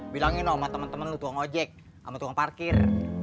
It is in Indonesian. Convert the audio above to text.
bilangin sama temen temen lu tukang ojek sama tukang parkir